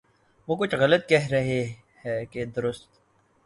وہ کچھ غلط کہہ رہا ہے کہ درست